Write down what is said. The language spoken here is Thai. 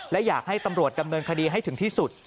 และอยากให้ตำรวจดำเนินคดีให้ถึงที่สุด